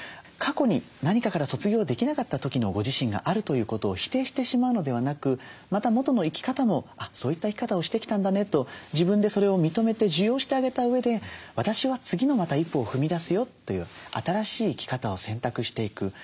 過去に何かから卒業できなかった時のご自身があるということを否定してしまうのではなくまた元の生き方も「そういった生き方をしてきたんだね」と自分でそれを認めて受容してあげたうえで私は次のまた一歩を踏み出すよという新しい生き方を選択していく。